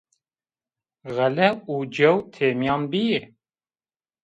Xele û cew têmîyan bîyê